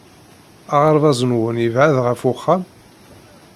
Aɣerbaz-nwen yebɛed ɣef wexxam?